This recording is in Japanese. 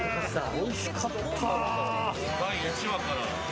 おいしかった。